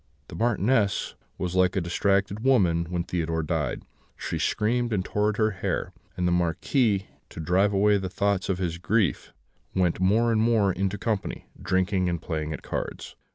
The Marchioness was like a distracted woman when Theodore died; she screamed and tore her hair, and the Marquis, to drive away the thoughts of his grief, went more and more into company, drinking and playing at cards.